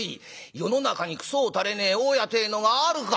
世の中にクソをたれねえ大家ってえのがあるか！」。